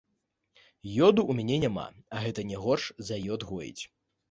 Ёду ў мяне няма, а гэта не горш за ёд гоіць.